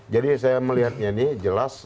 jadi saya melihatnya ini jelas